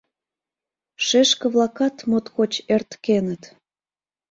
Шешке-влакат моткоч эрткеныт.